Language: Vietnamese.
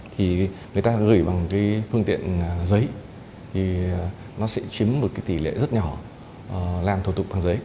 thì người ta gửi bằng cái phương tiện giấy thì nó sẽ chiếm một tỷ lệ rất nhỏ làm thủ tục bằng giấy